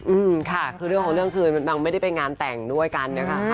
อืมค่ะคือเรื่องของเรื่องคือนางไม่ได้ไปงานแต่งด้วยกันนะคะ